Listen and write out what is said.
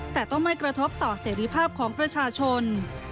แต่ต้องไม่กระทบต่อเสรีภาพของประชาชน